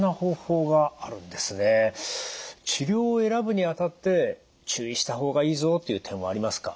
治療を選ぶにあたって注意した方がいいぞという点はありますか？